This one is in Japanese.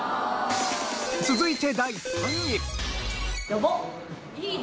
続いて第３位。